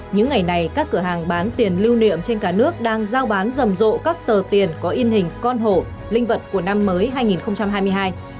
những ngày này các cửa hàng bán tiền lưu niệm trên cả nước đang giao bán rầm rộ các tờ tiền có in hình con hổ linh vật của năm mới hai nghìn hai mươi hai